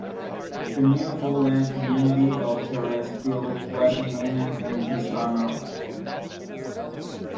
The Newfoundland community of Terenceville was so named in his honour.